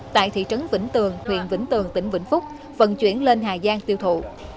tại thị trấn vĩnh tường huyện vĩnh tường tỉnh vĩnh phúc vận chuyển lên hà giang tiêu thụ